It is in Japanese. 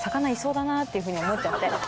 っていうふうに思っちゃって。